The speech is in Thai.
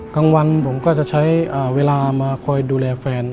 กลางวันผมก็จะใช้เวลามาคอยดูแลแฟน